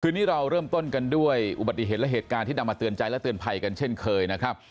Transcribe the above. คือนี้เราเริ่มต้นกันด้วยอุบัติเหตุและเหตุการณ์ที่นำมาเตือนใจและเตือนภัยกันเช่นเคยนะครับ